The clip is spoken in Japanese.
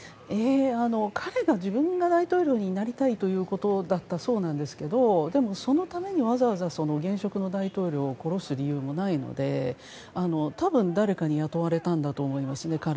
彼が自分が大統領になりたいということだったそうなんですがでも、そのためにわざわざ現職の大統領を殺す理由もないので多分、彼自身も誰かに雇われたんだと思います。